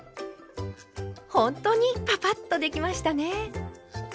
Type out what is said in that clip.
ほんとにパパッとできましたね。